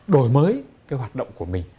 đổi mới cái hoạt động của mình